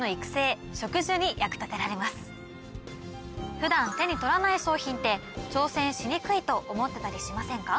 普段手に取らない商品って挑戦しにくいと思ってたりしませんか？